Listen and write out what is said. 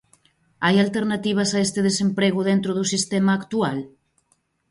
Hai alternativas a este desemprego dentro do sistema actual?